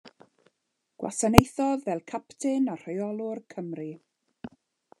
Gwasanaethodd fel capten a rheolwr Cymru.